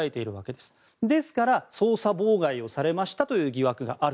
ですから、捜査妨害をされたという疑惑がある。